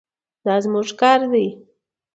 دا زموږ کار دی.